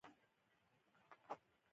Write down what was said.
خو هغه څوک چې د پلور لپاره تولید کوي